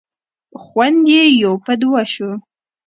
خوند یې یو په دوه شو.